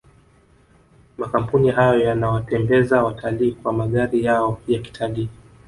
makampuni hayo yanawatembeza watalii kwa magari yao ya kitalii